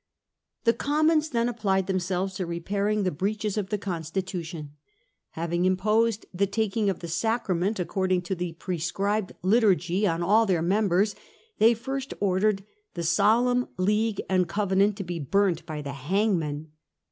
The Commons then applied themselves to repairing the breaches of the constitution. Having imposed the Reconstruc ta ^^ n g °f the Sacrament according to the tion. prescribed liturgy on all their members, they first ordered the ' Solemn League and Covenant * to be burnt by the hangman.